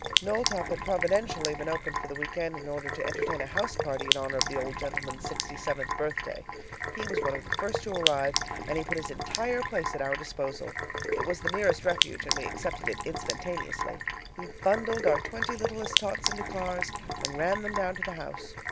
Knowltop had providentially been opened for the week end in order to entertain a house party in honor of the old gentleman's sixty seventh birthday. He was one of the first to arrive, and he put his entire place at our disposal. It was the nearest refuge, and we accepted it instantaneously. We bundled our twenty littlest tots into cars, and ran them down to the house.